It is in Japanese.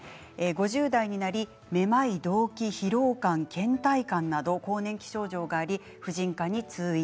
５０代になり、めまい、どうき疲労感、けん怠感など更年期症状があり婦人科に通院。